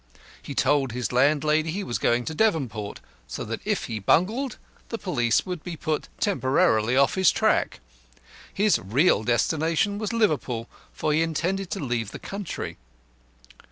He told his landlady he was going to Devonport, so that if he bungled, the police would be put temporarily off his track. His real destination was Liverpool, for he intended to leave the country.